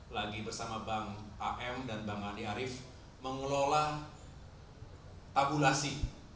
lagi bersama bang hm dan bang andi arief mengelola tabulasi